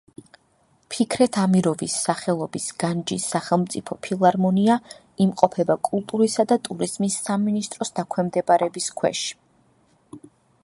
ფიქრეთ ამიროვის სახელობის განჯის სახელმწიფო ფილარმონია იმყოფება კულტურისა და ტურიზმის სამინისტროს დაქვემდებარების ქვეშ.